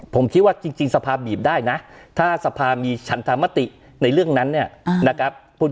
ผมคิดว่าจริงสภาพบีบได้นะถ้าสภามีฉันธรรมติในเรื่องนั้นเนี่ยนะครับ